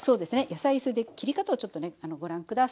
野菜それで切り方をちょっとねご覧下さい。